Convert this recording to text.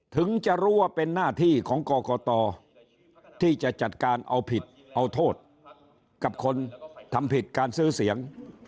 ถึงจะรู้ว่าเป็นหน้าที่ของกรกตที่จะจัดการเอาผิดเอาโทษกับคนทำผิดการซื้อเสียง